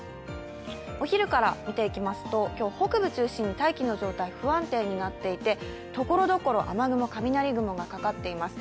お昼から見ていきますと、今日、北部中心に大気の状態、不安定になっていて、ところどころ、雨雲、雷雲がかかっています。